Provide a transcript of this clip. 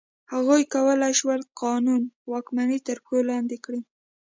هغوی کولای شول قانون واکمني تر پښو لاندې کړي.